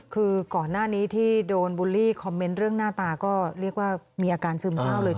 คือก่อนหน้านี้ที่โดนบูลลี่คอมเมนต์เรื่องหน้าตาก็เรียกว่ามีอาการซึมเศร้าเลย